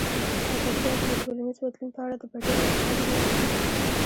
ازادي راډیو د ټولنیز بدلون په اړه د بریاوو مثالونه ورکړي.